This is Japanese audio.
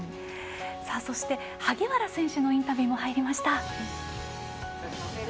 萩原選手のインタビューも入りました。